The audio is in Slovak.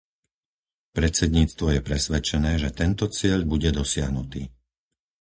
Predsedníctvo je presvedčené, že tento cieľ bude dosiahnutý.